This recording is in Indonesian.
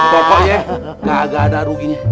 pokoknya gak ada ruginya